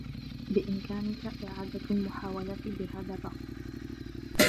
بإمكانك إعادة المحاولة بهذا الرّقم.